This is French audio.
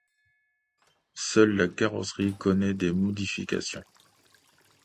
Seule la carrosserie connait des modifications.